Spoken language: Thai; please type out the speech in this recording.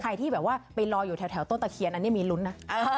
ที่แบบว่าไปรออยู่แถวต้นตะเคียนอันนี้มีลุ้นนะ